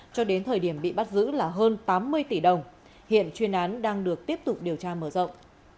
cho đến thời điểm bị bắt giữ là hơn tám mươi tỷ đồng hiện chuyên án đang được tiếp tục điều tra mở rộng